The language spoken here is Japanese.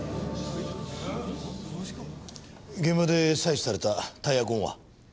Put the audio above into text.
現場で採取されたタイヤ痕は？